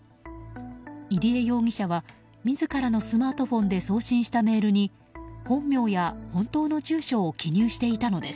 入江容疑者は自らのスマートフォンで送信したメールに本名や本当の住所を記入していたのです。